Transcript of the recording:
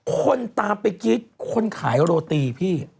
คนตามไปกรี๊ดคนขายโรตีพี่